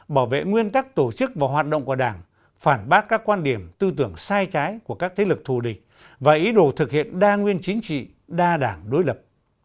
bảo vệ nguyên tắc tổ chức và hoạt động của đảng phản bác các quan điểm tư tưởng sai trái của các thế lực thù địch và ý đồ thực hiện đa nguyên chính trị đa đảng đối lập